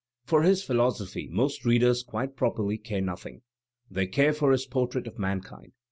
For his phil osophy most readers quite properly care nothing. They care for his portrait of Mankind.